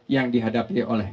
yang dihadapi oleh